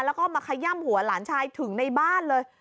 แล้วก็มาขย่ำหัวหลานชายถึงในบ้านเลย